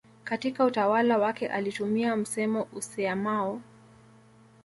Katika utawala wake alitumia msemo useamao